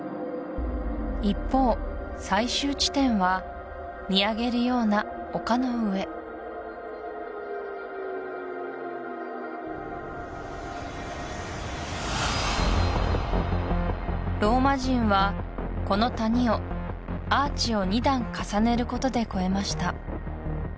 一方最終地点は見上げるような丘の上ローマ人はこの谷をアーチを２段重ねることで越えました